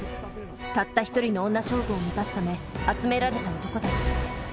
たった一人の女将軍を満たすため集められた男たち。